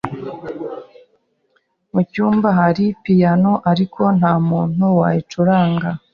Mucyumba hari piyano, ariko ntamuntu wayicurangaga.